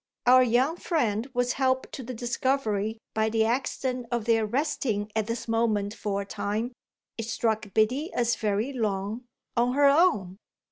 Our young friend was helped to the discovery by the accident of their resting at this moment for a time it struck Biddy as very long on her own.